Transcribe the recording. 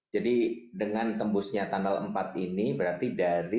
jadi dengan tembusnya tunnel empat ini berarti dasar